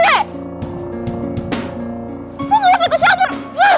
kamu masih kecabur